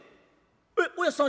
「えっおやっさん